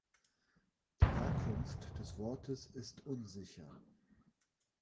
Die Herkunft des Wortes ist unsicher.